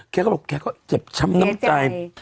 เขาก็เจ็บช้ำน้ำใจ